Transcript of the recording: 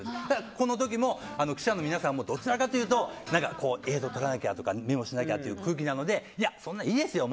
この時も記者の皆さんもどちらかというと映像を撮らなきゃとかメモしなきゃって空気なのでいや、そんなのいいですよ